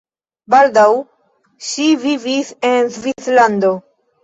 Baldaŭ ŝi vivis en Svislando.